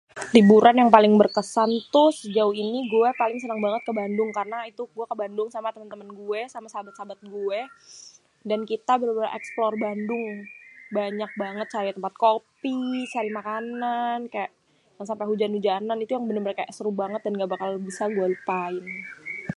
Liburan yang paling berkesan tuh sejauh ini tuh gue paling seneng ke Bandung, karena itu gue ke Bandung sama temen-temen gue, sama sahabat-sahabat gue dan kita bener-bener eksplore bandung banyak banget cari tempat ngopi, cari makanan, kaya sampe hujan-hujanan itu kaya bener-bener seru banget dan gak bakal bisa gue lupain.